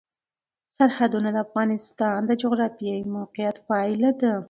سرحدونه د افغانستان د جغرافیایي موقیعت پایله ده.